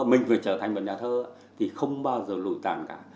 mình phải trở thành một nhà thơ thì không bao giờ lùi tàn cả